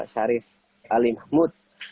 syarif alim ahmud